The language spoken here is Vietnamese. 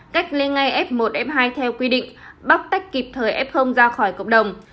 cách ly ngay f một f hai theo quy định bóc tách kịp thời f ra khỏi cộng đồng